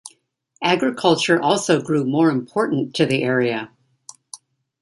Agriculture also grew more important to the area.